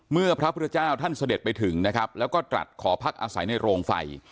พระพุทธเจ้าท่านเสด็จไปถึงนะครับแล้วก็ตรัสขอพักอาศัยในโรงไฟ